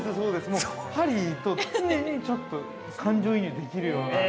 もうハリーと常にちょっと感情移入できるような。